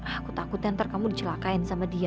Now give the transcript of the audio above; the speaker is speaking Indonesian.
aku takutnya ntar kamu dicelakain sama dia